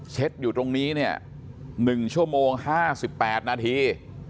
อยู่ตรงนี้เนี่ย๑ชั่วโมง๕๘นาที